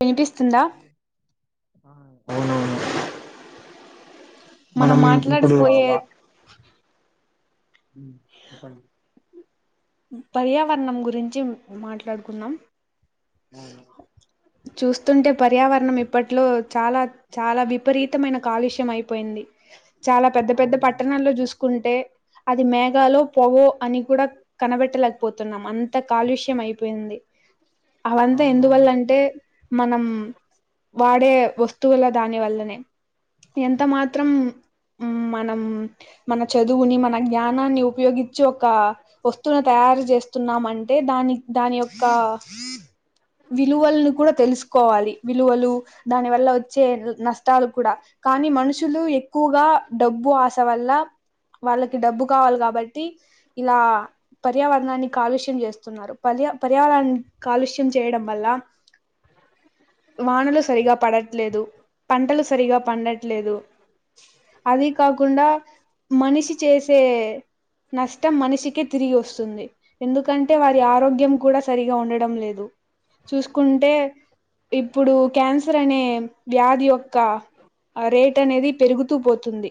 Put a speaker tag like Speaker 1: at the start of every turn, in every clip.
Speaker 1: వినిపిస్తుందా
Speaker 2: అవునువును మనం ఇప్పుడు అవా హ్మ్ ఒకళ్ళు
Speaker 1: పర్యావరణం గురించి మాట్లాడుకున్నాం
Speaker 2: ఆ
Speaker 1: చూస్తుంటే పర్యావరణం ఇప్పట్లో చాలా చాలా విపరీతమైన కాలుష్యం అయిపోయింది చాలా పెద్ద పెద్ద
Speaker 2: అవునవును
Speaker 1: పట్టణాల్లో చూసుకుంటే అది మేఘలో పొగో అని కూడా కనబెట్టలేకపోతున్నాం అంత కాలుష్యం అయిపోయింది
Speaker 2: స
Speaker 1: అవంతా ఎందువల్లంటే మనం వాడే వస్తువుల దాని వల్లనే ఎంత మాత్రం మనం మన చదువుని మన జ్ఞానాన్ని ఉపయోగించి ఒక వస్తువును తయారు చేస్తున్నం అంటే దాని దాని యొ క్క
Speaker 2: [inaudible]
Speaker 1: విలువలని కూడా తెలుసుకోవాలి విలువలు దాని వల్ల వచ్చే నష్టాలు కూడా కానీ మనుషులు ఎక్కువగా డబ్బు ఆశ వల్ల వాళ్ళకి డబ్బు కావాలి కాబట్టి ఇలా పర్యావరణాన్ని కాలుష్యం చేస్తున్నారు పర్యావరణ కాలుష్య చేయడం వల్ల వానలు సరిగా పడట్లేదు పంటలు సరిగా పండట్లేదు అది కాకుండా మనిషి చేసే నష్టం మనిషికే తిరిగి వస్తుంది ఎందుకంటే వారి ఆరోగ్యం కూడా సరిగా ఉండడం లేదు చూసుకుంటే ఇప్పుడు క్యాన్సర్ అనే వ్యాధి యొక్క ఆ రేట్ అనేది పెరుగుతూ పోతుంది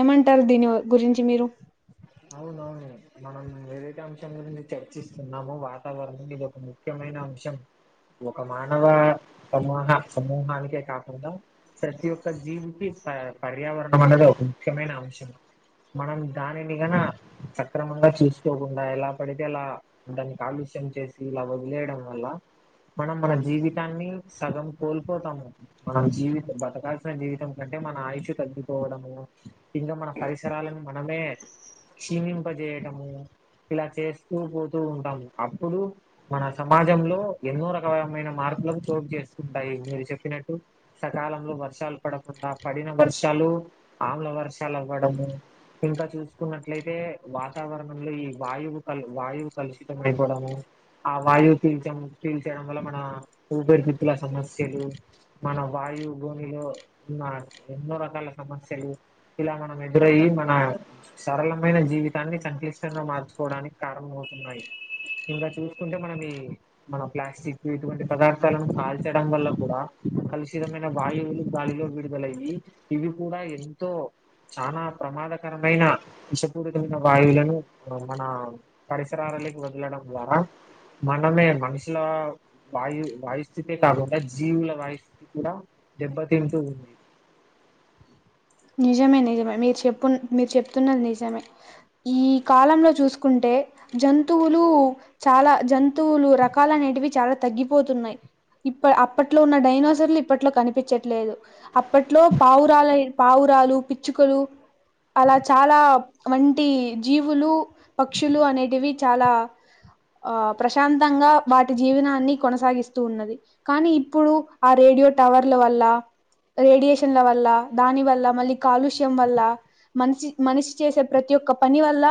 Speaker 1: ఏమంటారు దీని గురించి మీరు
Speaker 2: అవునవును మనం ఏదైతే అంశం గురించి చర్చిస్తున్నామో వాతావరణం ఇది ఒక ముఖ్యమైన అంశం ఒక మానవ సమూహ సమూహానికే కాకుండా ప్రతి ఒ క్క జీవికి ప పర్యావరణం అనేది ఒక ముఖ్యమైన అంశం మనం దానిని గన సక్రమంగా చూసుకోకుండా ఎలా పడితే అలా దానికి కాలుష్యం చేసి ఇలా వదిలేయడం వల్ల లా మనం మన జీవితాన్ని సగం కోల్పోతాము మనం జీవితం బతకాల్సిన జీవితం కని మన ఆయుషు తగ్గిపోవడము ఇంకా మన పరిసరాలను మనమే క్షమింప చేయటము ఇలా చేస్తూ పోతూ ఉంటాం అప్పుడు మన సమాజంలో ఎన్నో రకమైన మార్ లకు చోటు చేసుకుంటాయి మీరు చెప్పినట్టు సకాలంలో వర్షాలు పడకుండా పడిన వర్షాలు ఆమ్ల వర్షాలు అవ్వడము ఇంకా చూసుకున్నట్ ఎట్లయితే వాతావరణంలో ఈ వాయువు క వాయువు కలుషితమడిపోవడము ఆ వాయువు పిల్చం పీల్చడం వల్ల మన ఊపిరి తిత్తుల సమస్యలు మన వాయు గోనిలో ఉ ఎన్నో రకాల సమస్యలు ఇలా మనం ఎదురయ్యి మన సరళమైన జీవితాన్ని సంక్లిష్టంగా మార్చుకోవడానికి కారణమవుతున్నాయి ఇంకా చూసుకుంటే మనం ఈ మన ప్లాస్టిక్ ఇటువంటి పదార్థాలను కాల్చడం వల్ల కూడా కలుషితమైన వాయువులు గాలిలో విడుదలయి ఇవి కూడా ఎంతో చానా ప్రమాదకరమైన విషపూరితమైన వాయువులను మన పరిసరాలలేకి వదలడం ద్వారా మ మనమే మనుషుల వాయు వాయుస్థితే కాకుండా జీవుల వాయుస్థితి కూడా జబ్ బతించు
Speaker 1: నిజమే నిజమే మీరు చెప్పు మీరు చెప్తున్నది నిజమే ఈ కాలంలో చూసుకుంటే జంతువులు చాలా జంతువులు రకాలనేటివి చాలా తగ్గిపోతున్నాయి ఇప్ప అప్పట్లో ఉన్న డైనసర్లు ఇప్పట్లో కనిపించట్లేదు అప్పట్లో పావురాల పావురాలు పిచ్చుకలు అలా చాలా వంటి జీవులు పక్షులు అనేటివి చాలా ఆ ప్రశాంతంగా వాటి జీవనాన్ని కొనసాగిస్తూ ఉన్నది కానీ ఇప్పుడు ఆ రే రేడియో టవర్ల వల్ల రేడియేషన్ల వల్ల దాని వల్ల మళ్ళీ కాలుష్యం వల్ల మనిషి మనిషి చేసే ప్రతి ఒక్క పని వల్ల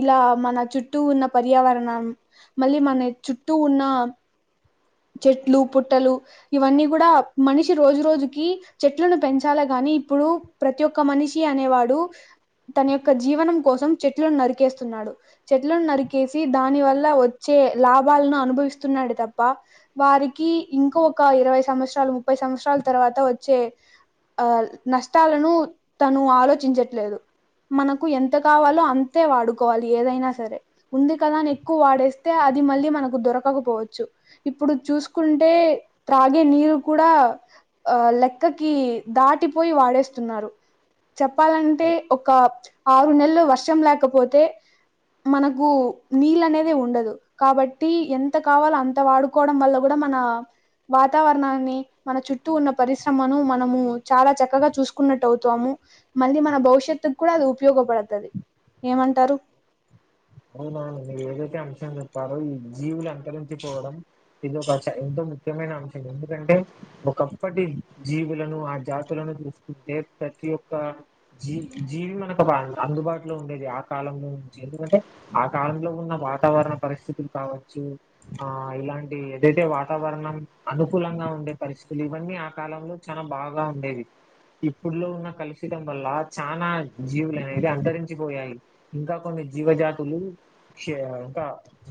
Speaker 1: ఇలా మన చుట్టూ ఉన్న పర్యావరణం మళ్ళీ మన చుట్టూ ఉన్న చెట్లు పుట్టలు ఇవన్నీ కూడా మనిషి రోజు రోజుకి చెట్లను పెంచాల గా ని ఇప్పుడు ప్రతి ఒక్క మనిషి అనేవాడు తన యొక్క జీవనం కోసం చెట్లను నరికేస్తున్నాడు చెట్లను నరికేసి దాని వల్ల వచ్చే లాభాలను అనుభవిస్తున్నాడు తప్ప వారికి ఇంకో ఒక ఇరవై సంవత్సరాలు ముప్పై సంవత్సరాల తర్వాత వచ్చే ఆ నష్టాలను తను ఆలోచించట్లేదు మనకు ఎంత కావాలో అంతే వాడుకోవాలి ఏదైనా సరే ఉంది కదా అని ఎక్కువ వాడేస్తే అది మళ్ళీ మనకు దొరకకపోవచ్చు. ఇప్పుడు చూసుకుంటే త్రాగే నీరు కూడా ఆ లెక్కకి దాటి పోయి వాడేస్తున్నారు
Speaker 2: [inaudible]
Speaker 1: చెప్పాలంటే ఒక ఆరు నెలలు వర్షం లేకపోతే మనకు నీళ్ళ అనేదే ఉండదు కాబట్టి ఎంత కావాలో అంత వాడు కోవడం వల్ల కూడా మన వాతావరణాన్ని మన చుట్టూ ఉన్న పరిశ్రమను మనము చాలా చక్కగా చూసుకున్నట్టు అవుతాము. మళ్ళీ మన భవిష్యత్తుకు కూడా అది ఉపయోగపడుతది ఏమంటారు.
Speaker 2: అవునా ఏదైతే అంశం వారు ఈ జీవులు అంతరించిపోవడం ఇది ఒక ఎంతో ముఖ్యమైన అంశం ఎందుకంటే ఒకప్పటి జీవులను ఆ జాతులను చూసుకుంటే ప్రతి ఒక్క జీ జీవి మనకు అందుబాటులో ఉండేది ఆ కాలంలోంచి ఎందుకంటే ఆ కాలంలో ఉన్న వాతావరణ పరిస్థితులు కావచ్చు ఆ ఇలాంటి ఏదైతే వాతావరణం. మనం అనుకూలంగా ఉండే పరిస్థితులు ఇవన్నీ ఆ కాలంలో చాలా బాగా ఉండేవి ఇప్పుడులో ఉన్న కలుషితం వల్ల చానా జీవులు అనేవి అంతరించిపోయాయి ఇంకా కొన్ని జీవజాతి ఇంకా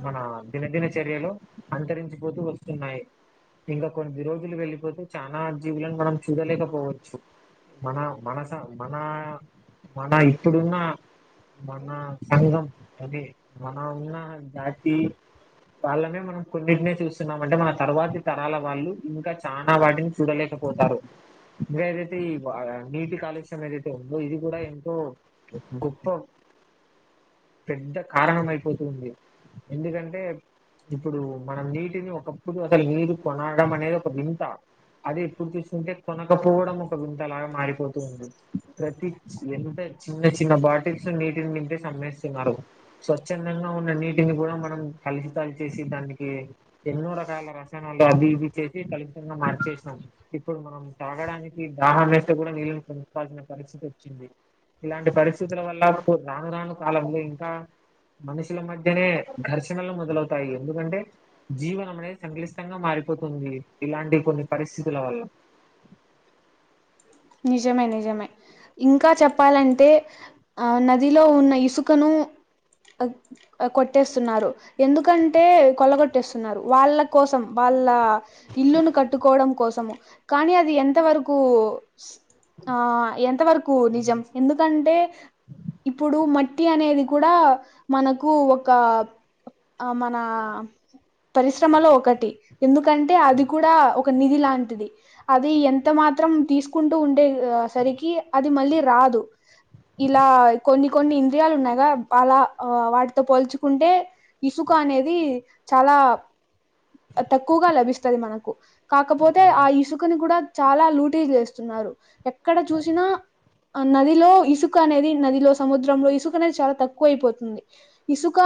Speaker 2: మన దినదిన చర్యలో అంతరించిపోతూ వస్తున్నాయి. ఇంకా కొద్ది రోజులు వెళ్ళిపోతే చానా జీవులను మనం చూడలేకపోవచ్చు మన మనస మన మన ఇప్పుడున్న మన సం అదే మన ఉన్న జాతి వాళ్ళనే మనం కొన్నింటినే చూస్తున్నాం అంటే మన తర్వాతి తరాల వాళ్ళు ఇంకా చానా వాటిని చూడలేక పోతారు ఇంకా ఏదైతే ఈ నీటి కాలుష్యం ఏదైతే ఉందో ఇది కూడా ఎంతో గొప్ప పెద్ద కారణం అయిపోతుంది ఎందుకంటే ఇప్పుడు మనం నీటిని ఒకప్పుడు అసలు నీరు కొనడం అనేది ఒక వింత అది ఇప్పుడు చూసుకుంటే కొనకపోవడం ఒక వింతలాగా మారిపోతూ ఉంది ప్రతి ఎంత చిన్న చిన్న బాటిల్స్ నీటిని నింపి సమ్ స్వందంగా ఉన్న నీటిని కూడా మనం కలుషితాలు చేసి దానికి ఎన్నో రకాల రసాయనాలు అవి ఇవి చేసి కలుషితంగా మార్చేస్తాం ఇప్పుడు మనం తగడానికి దాహము నీళ్నించల్సిన పరిస్థితి వచ్చింది ఇలాంటి పరిస్థితుల వల్ల రాను రాను కాలంలో ఇంకా మనుషుల మధ్యనే ఘర్షణలు మొదలవుతాయి ఎందుకంటే జీవనం అనేది సంక్లిష్టంగా మారిపోతుంది ఇలాంటి కొన్ని పరిస్థితుల వల్ల
Speaker 1: నిజమే నిజమే. ఇంకా చెప్పాలంటే ఆ నదిలో ఉన్న ఇసుకను, కొట్టేస్తున్నారు ఎందుకంటే కొల్ల కొట్టేస్తున్నారు వాళ్ళ కోసం వా వాళ్ళ ఇల్లును కట్టుకోవడం కోసము కానీ అది ఎంత వరకు ఆ ఎంతవరకు నిజం ఎందుకంటే ఇప్పుడు మట్టి అనేది కూడా మనకు ఒక ఆ మన పరిశ్రమలో ఒకటి ఎందుకంటే అది కూడా ఒక నిధి లాంటిది అది ఎంత మాత్రం తీ కుంటూ ఉండే సరికీ అది మళ్ళీ రాదు ఇలా కొన్ని కొన్ని ఇంద్రియాలు ఉన్నాయిగా అల వాటితో పోల్చుకుంటే కో అనేది చాలా తక్కువగా లభిస్తది మనకు కాకపోతే ఆ ఇసుకని కూడా చాలా లూటీ చేస్ న్నారు ఎక్కడ చూసినా అ నదిలో ఇసుక అనేది నదిలో సముద్రంలో ఇసుక అనేది చాలా తక్కువ అయిపోతుంది ఇసుకా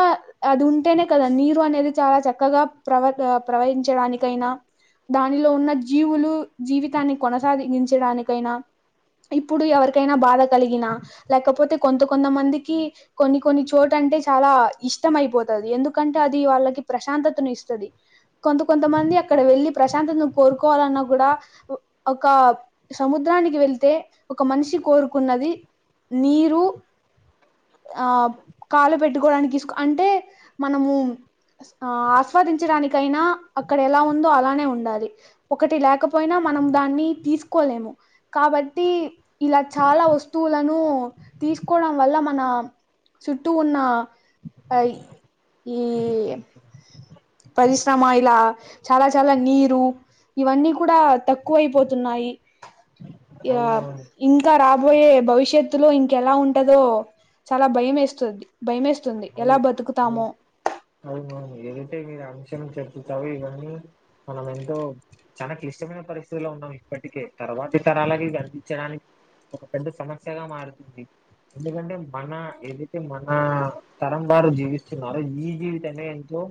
Speaker 1: అది ఉంటేనే కదా నీరు అనేది చాలా చక్కగా ప్రవ ప్రవహించడానికైనా దానిలో ఉన్న జీవులూ జీవితాన్ని కొనసాగించడానికైనా ఇప్పుడు ఎవరికైనా బాధ కలిగినా లేకపోతే కొంత కొంత మందికి కొన్ని కొన్ని చోట అంటే చాలా ఇష్టం అయిపోతది ఎందుకంటే అది వాళ్ళకి ప్రశాంతతను ఇస్తది కొంత కొంతమంది అక్కడ వెళ్ళీ ప్రశాంతతను కోరుకోవాలన్నా గూడా ఒక సముద్రానికి వెళ్తే ఒక మనిషి కోరుకున్నది నీరు ఆ కాలు పెట్టుకోవడానికి ఇసుక అంటే మనము ఆ ఆస్వాదించడానికైనా అక్కడ ఎలా ఉందో అలానే ఉండాలి ఒకటి లేకపోయినా మనం దాన్ని తీసుకోలేము కాబట్టి ఇలా చాలా వస్తూవ్ లను తీసుకోవడం వల్ల మన చుట్టు ఉన్నా ఐ ఈ పరిశ్రమ ఇలా చాలా చాలా నీరు ఇవన్నీ కూడా తక్కువ అయిపోతున్నాయి ఇగా
Speaker 2: అవునవును
Speaker 1: ఇంకా రాబోయే భవిష్యత్తు లో ఇంకెలా ఉంటదో చాలా భయం మేస్తది భయ మేస్
Speaker 2: అవు అవు అవునవును ఏటే మీదా [unintelligible] క్షణ క్షణం చెప్పుతావు గానీ మనం ఎంతో చాలా క్లిష్టమైన పరిస్థితిలో ఉన్నాం ఇప్పటికే తర్వాతి తరాలకి కనిపించడానికి ఒక పెద్ద సమస్యగా మారుతుంది ఎందుకంటే మన ఎదుటి మనా తరం వారు జీవిస్తున్నారు ఈ జీవితమే ఎంతో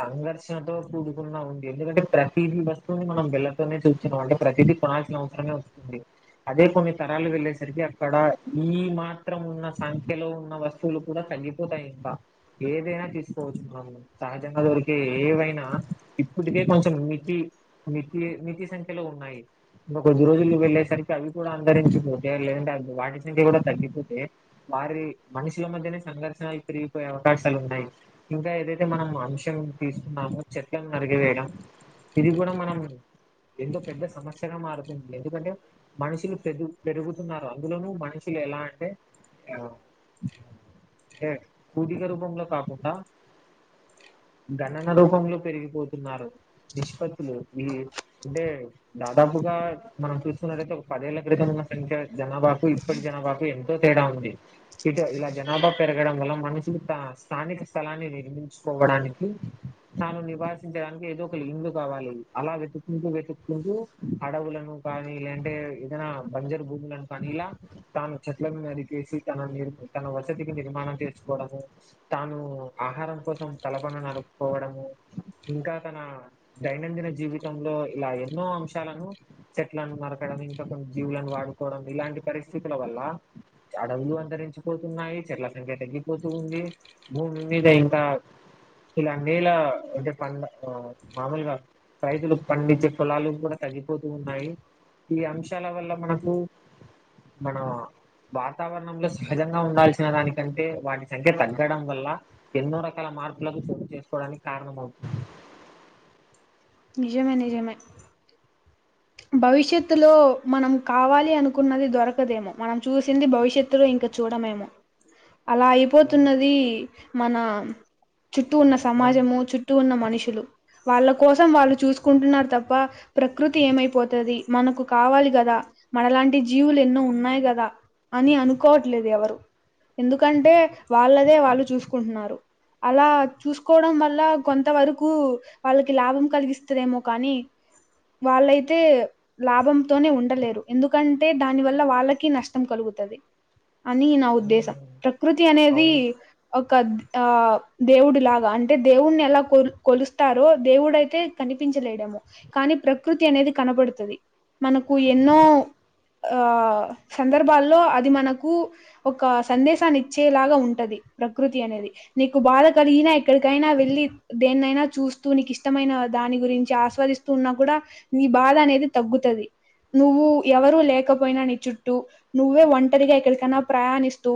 Speaker 2: సంఘర్షణతో కూడుకున్నా ఉంది ఎందుకంటే ప్రతి వస్తువుని మనం వెలతోనే చూస్తున్నాం అంటే ప్రతి ఇది పాల్స అవసరమే వస్తుంది [unintelligible] అదే కొన్ని తరాలు వెళ్ళేసరికి అక్కడ ఈ మాత్రం ఉన్న సంఖ్యలో ఉన్న వస్తువులు కూడా తగ్గి పోతాయి ఇంకా ఏదైనా తీసుకోవచ్చు మనం సహజంగా దొరికే ఏవైనా ఇప్పటికే కొంచం మితీ మితి మితి సంఖ్యలో ఉన్నాయి ఇంక కొద్ది రోజులు వెళ్ళేసరికి అవి కూడా అంతరించి పోతే వాటి సంఖ్య కూడా తగ్గిపోతే వారి మనుషుల మధ్యనే సంగర్ పెరిగిపోయే అవకాశాలు ఉన్నాయి ఇంకా ఏదైతే మనం అంశం తీసుకున్నామో చెట్లను నరికివే ఇది గూడా మనమ్ ఎంతో పెద్ద సమస్యగా మారుతుంది ఎందుకంటే మనుషులు పెదు పెరుగుతున్నారు అందులోనూ మనిషి ఎలా అంటే ఆ ఏ పూదిన రూపంలో కాకుండా [unintelligible] గణన రూపంలో పెరిగిపోతున్నారు నిష్పత్తులు ఈ అంటే దాదాపు గా మనం చూసుకున్నటైతే ఒక పదేళ్ల క్రితం ఉన్న సంఖ్య జనాభాకు ఇప్పటి జనాభాకు ఎంతో తేడా ఉంది ఇట్ ఇలా జనాభా పెరగడం వల్ల మనుషులు త స్థానిక స్థలాన్ని నిర్మించుకోవడానికీ తాను నివాసించడానికి ఏదో ఒక లిండు కావాలి అలా వెతుక్కుంటూ వెతుక్కుంటూ అడవులను కానీ లేదంటే ఏదైనా బంజరు భూములను కానీ ఇలా తాను చెట్లను నరికివేసి తన నీ తన వసతి నిర్మాణం చేసుకోవడము తాను ఆహారం కోసం కలపను నరుకోవడము ఇంకా తన దైనందిన జీవితంలో ఇలా ఎన్నో అంశాలను చెట్లను నరకడం ఇంక కొన్ని జీవులను వాడుకోవడం ఇలాంటి పరిస్థితుల వల్లా అడవులు అంతరించిపోతున్నాయి చెట్ల సంఖ్య తగ్గిపోతూ ఉంది భూమి మీద ఇంకా ఇల నేలా అంటే పండ మ్ మామూలుగా రైతులు పండించే పొలాలు కూడా తగ్గిపోతూ ఉన్నాయి ఈ అంశాల వల్ల మనకు మన వాతావరణంలో సహజంగా ఉండాల్సిిన చిన దానికంటే వాటి సంఖ్య తగ్గడం వల్ల ఎన్నో రకాల మార్పులకు చోటు చేసుకోడానికి కారణంమవుతుం అ
Speaker 1: నిజమే నిజమే భవిష్యత్తులో మనం కావాలి అనుకున్నది దొరకదేమో మనం చూసింది భవిష్యత్తులో ఇంక చూడమేమో
Speaker 2: అ
Speaker 1: అలా అయిపోతున్నది మన చుట్టూ ఉన్న సమాజము చుట్టూ ఉన్న మనుషులు వాళ్ళ కోసం వాళ్ళు చూసుకుంటున్నారు తప్ప ప్రకృతి ఏమైపోత్ తది మనకు కావాలి కదా మనలాంటి జీవులు ఎన్నో ఉన్నాయి కదా అని అనుకోవట్లేదు ఎవరు ఎందుకంటే వాళ్ళదే వాళ్ళు చూసుకుంటున్నారు అలా చూసుకోవడం వల్ల కొంత వరకు వాళ్ళకి లాభం కలిగిస్తుదేమో కానీ వాళ్ళైతే లాభంతోని ఉండలేరు ఎందుకంటే దానివల్ల వాళ్ళకి నష్టం కలుగుతది అని నా
Speaker 2: అవును
Speaker 1: ఉద్దేశం ప్రకృతి
Speaker 2: అవును
Speaker 1: అనేది
Speaker 2: అవును.
Speaker 1: ఒక ఆ దేవుడు లాగా అంటే దేవుడిని ఎలా కొ కొలుస్తారో దేవుడయితే కనిపించలేడ్ కానీ ప్రకృతి అనేది కనబడుతది మనకు ఎన్నో ఆ సందర్భాల్లో అది మనకు ఒక సందేశాన్ని ఇచ్చేలాగా ఉంటది ప్రకృతి అనేది నీకు బాధ కలిగినా ఎక్కడికైనా వెళ్ళి దేన్నైనా చూస్తూ నీకు ఇష్టమైన దాని గురించి ఆస్వాదిస్తూ ఉన్నా కూడా నీ బాధ అనేది తగ్గుతది నువ్వు ఎవరూ లేకపోయినా నీ చుట్టూ నువ్వే ఒంటరిగా ఎక్కడికైనా ప్రయాణిస్తూ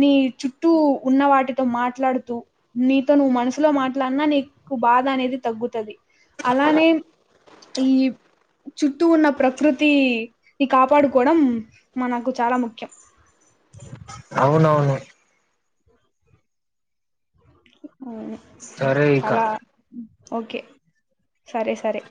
Speaker 1: నీ చుట్టూ ఉన్న వాటితో మాట్లాడుతూ నీతో నువ్వు మనసులో మాట్లాడినా నీకు బాధ అనేది తగ్గుతది అలానే ఈ చుట్టూ ఉన్న ప్రకృతిని కాపాడుకోవడం మనకు చాలా ముఖ్యం
Speaker 2: అవునవును
Speaker 1: అవును
Speaker 2: సరే ఇక
Speaker 1: ఓకే సరే సరే